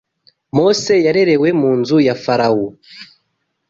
Mose yarerewe mu nzu ya Farawo